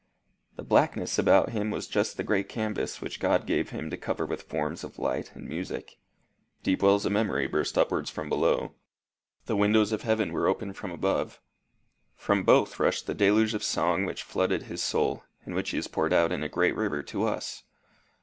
The blackness about him was just the great canvas which God gave him to cover with forms of light and music. Deep wells of memory burst upwards from below; the windows of heaven were opened from above; from both rushed the deluge of song which flooded his soul, and which he has poured out in a great river to us."